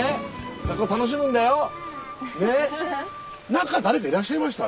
中誰かいらっしゃいました？